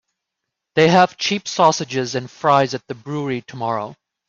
They have cheap sausages and fries at the brewery tomorrow.